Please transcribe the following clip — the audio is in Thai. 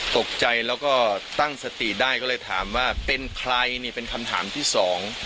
ตกใจแล้วก็ตั้งสติได้ก็เลยถามว่าเป็นใครนี่เป็นคำถามที่สอง